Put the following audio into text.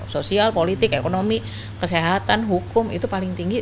sosial politik ekonomi kesehatan hukum itu paling tinggi